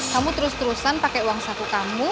kamu terus terusan pakai uang saku kamu